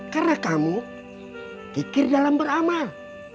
karena kamu pikir dalam beramal